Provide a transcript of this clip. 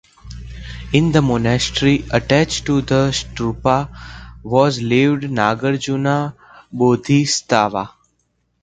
In the monastery attached to stupa was lived Nagarjuna bodhisattva.